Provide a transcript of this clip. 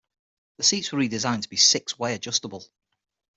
The seats were redesigned to be six-way adjustable.